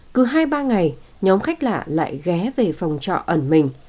cứ hai ba ngày nhóm khách lạ lại ghé về phòng trọ ẩn mình